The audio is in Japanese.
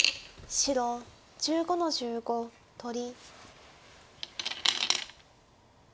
黒１５の十二取り。